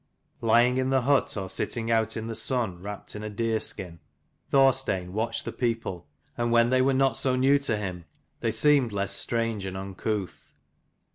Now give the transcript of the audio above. Lying in the hut, or sitting out in the sun wrapped in a deer skin, Thorstein watched the people, and when they were not so new to him they seemed less strange and uncouth.